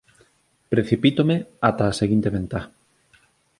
Precipítome ata a seguinte ventá.